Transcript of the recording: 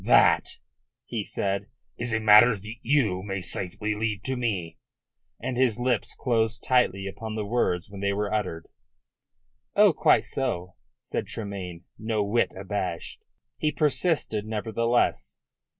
"That," he said, "is a matter that you may safely leave to me," and his lips closed tightly upon the words when they were uttered. "Oh, quite so," said Tremayne, no whit abashed. He persisted nevertheless.